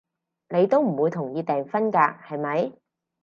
你都唔會同意訂婚㗎，係咪？